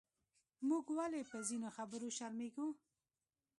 موږ ولې پۀ ځینو خبرو شرمېږو؟